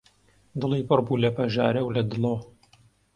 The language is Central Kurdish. دڵی پڕ بوو لە پەژارە و لە دڵۆ